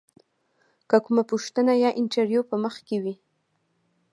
که کومه پوښتنه یا انتریو په مخ کې وي.